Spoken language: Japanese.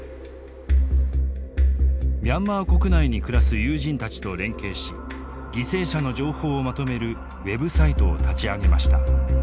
ミャンマー国内に暮らす友人たちと連携し犠牲者の情報をまとめるウェブサイトを立ち上げました。